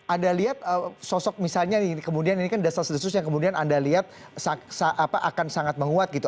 anda lihat sosok misalnya kemudian ini kan dasars desus yang kemudian anda lihat akan sangat menguat gitu